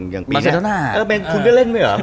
อย่างปีนี้